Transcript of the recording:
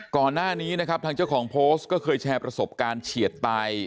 ก่อนหน้านี้นะครับทางเจ้าของโพสต์ก็เคยแชร์ประสบการณ์เฉียดตาย